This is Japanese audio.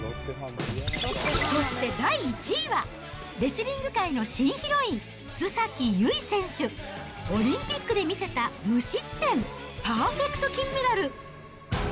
そして第１位は、レスリング界の新ヒロイン、須崎優衣選手。オリンピックで見せた無失点パーフェクト金メダル。